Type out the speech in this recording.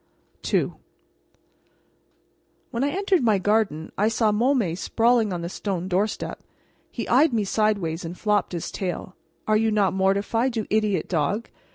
II When I entered my garden I saw Môme sprawling on the stone doorstep. He eyed me sideways and flopped his tail. "Are you not mortified, you idiot dog?"